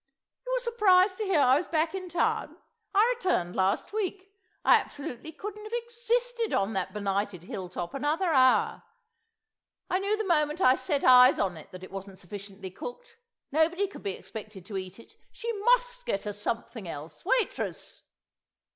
"You were surprised to hear I was back in town? I returned last week. I absolutely couldn't have existed on that benighted hill top another hour. ... I knew the moment I set eyes on it that it wasn't sufficiently cooked. No one could be expected to eat it. She must get us something else. Waitress!